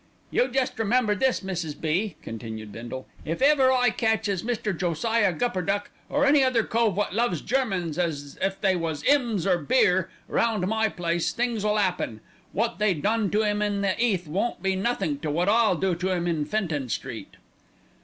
"You jest remember this, Mrs. B.," continued Bindle, "if ever I catches Mr. Josiah Gupperduck, or any other cove wot loves Germans as if they was 'ymns or beer, round my place, things'll 'appen. Wot they done to 'im on the 'Eath won't be nothink to wot I'll do to 'im in Fenton Street."